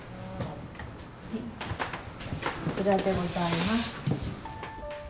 こちらでございます。